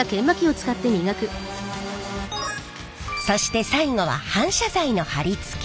そして最後は反射材の貼り付け。